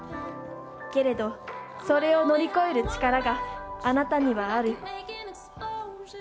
けれど、それを乗り越える力があなたにはある。